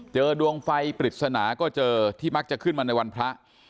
เจอดวงไฟปริศนาก็เจอที่มักจะขึ้นมาในวันพระ